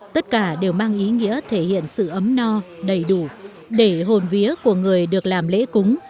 tất cả đều mang ý nghĩa thể hiện sự ấm no đầy đủ để hồn vía của người được làm lễ cúng